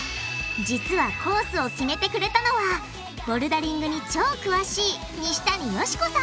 実はコースを決めてくれたのはボルダリングに超詳しい西谷善子さん。